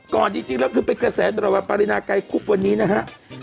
จริงแล้วคือเป็นกระแสดราวปรินาไกรคุบวันนี้นะฮะ